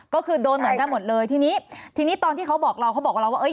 ก็คือโดนเหมือนกันหมดเลยทีนี้ทีนี้ตอนที่เขาบอกเราเขาบอกกับเราว่าเอ้